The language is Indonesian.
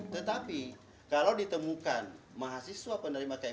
tetapi kalau ditemukan mahasiswa penerima kip kuliah